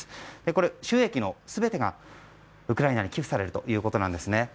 これ、収益の全てがウクライナに寄付されるということなんですね。